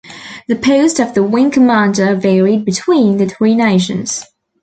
The post of the Wing Commander varied between the three nations.